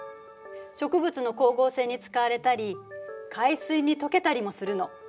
植物の光合成に使われたり海水に溶けたりもするの。